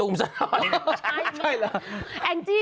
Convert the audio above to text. ไม่ใช่